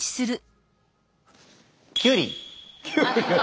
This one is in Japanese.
きゅうり。